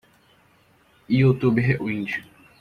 Youtube Rewind.